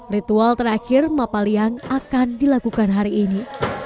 ritual terakhir mapa liang akan dilakukan hari ini